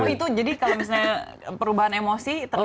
oh itu jadi kalau misalnya perubahan emosi terlihat di